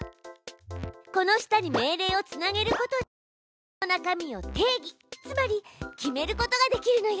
この下に命令をつなげることでその中身を定義つまり決めることができるのよ。